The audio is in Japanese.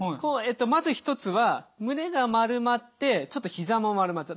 まず１つは胸が丸まってちょっとひざも丸まっちゃう。